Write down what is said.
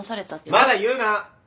まだ言うな！